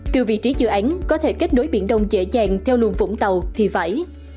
từ vị trí dự án có thể kết nối biển đông dễ dàng theo luồng vũng tàu thì phải